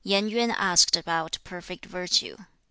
Yen Yuan asked about perfect virtue.